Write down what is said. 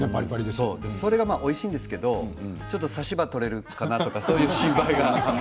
それがおいしいんですけど差し歯が取れるかなとかそういう心配が。